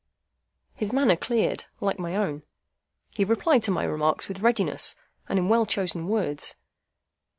His manner cleared, like my own. He replied to my remarks with readiness, and in well chosen words.